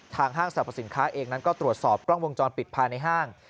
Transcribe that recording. ห้างสรรพสินค้าเองนั้นก็ตรวจสอบกล้องวงจรปิดภายในห้าง